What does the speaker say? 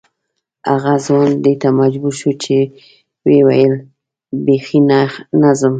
هغه ځوان دې ته مجبور شو چې ویې ویل بې خي نه ځم.